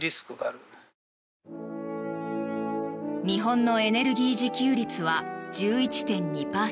日本のエネルギー自給率は１１．２％。